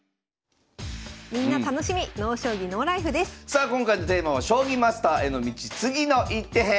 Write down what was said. さあ今回のテーマは「将棋マスターへの道次の一手編」。